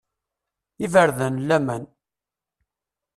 Iberdan n laman!